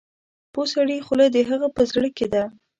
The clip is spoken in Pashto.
د پوه سړي خوله د هغه په زړه کې ده.